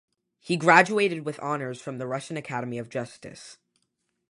He graduated with honors from the Russian Academy of Justice.